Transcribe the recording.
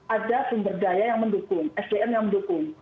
ada sumber daya yang mendukung sdm yang mendukung